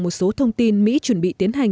một số thông tin mỹ chuẩn bị tiến hành